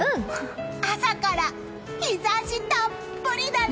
朝から日差したっぷりだね！